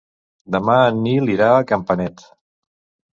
Demà en Nil irà a Campanet.